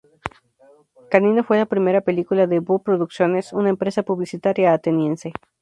Canino fue la primera película de Boo Producciones, una empresa publicitaria ateniense.